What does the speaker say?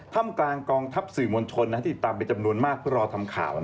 ทำกลางกองทัพสื่อมวลชนที่ติดตามเป็นจำนวนมากเพื่อรอทำข่าว